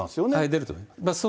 出ると思います。